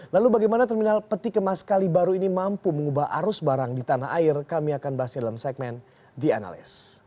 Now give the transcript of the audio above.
lalu bagaimana terminal peti kemas kali baru ini mampu mengubah arus barang di tanah air kami akan bahasnya dalam segmen the analyst